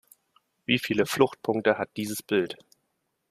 Wie viele Fluchtpunkte hat dieses Bild?